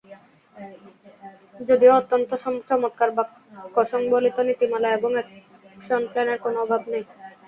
যদিও অত্যন্ত চমৎকার বাক্যসংবলিত নীতিমালা এবং অ্যাকশন প্ল্যানের কোনো অভাব নেই।